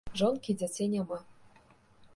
Жонкі і дзяцей няма.